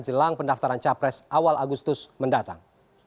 jelang pendaftaran capres awal agustus mendatang